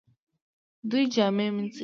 دوی جامې مینځي